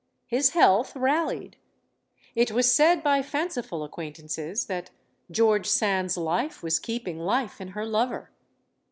His health rallied. It was said by fanciful acquaintance? that George Sand's life was keeping life in her lover.